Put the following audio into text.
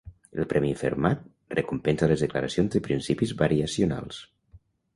El premi Fermat recompensa les declaracions de principis variacionals.